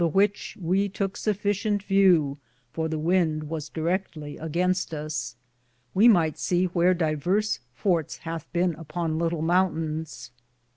which we tooke sufficlente vew, for the wynde was directly againste us ; we myghte se whear divers fortes hathe bene upon litle mountayns.